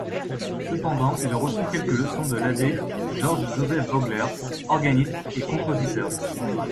Cependant il reçut quelques leçons de l’abbé Georg Joseph Vogler, organiste et compositeur.